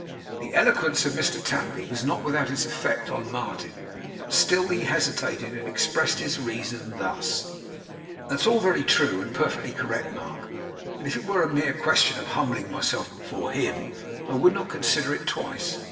The eloquence of Mr Tapley was not without its effect on Martin but he still hesitated, and expressed his reason thus: 'That's all very true, and perfectly correct, Mark; and if it were a mere question of humbling myself before HIM, I would not consider it twice.